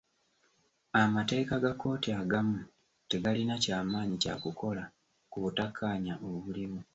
Amateeka ga kkooti agamu tegalina kya maanyi kya kukola ku butakkaanya obuliwo.